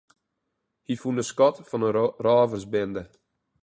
Hy fûn de skat fan in rôversbinde.